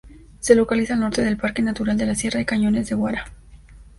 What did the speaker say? Se localiza al norte del Parque Natural de la Sierra y Cañones de Guara.